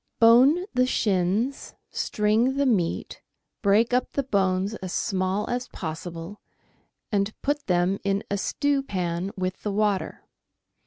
— Bone the shins, string the meat, break up the bones as small as possible, and put them in a stewpan with the water.